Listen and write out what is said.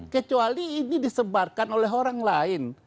kecuali ini disebarkan oleh orang lain